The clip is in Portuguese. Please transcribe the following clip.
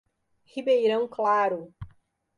Ribeirão Claro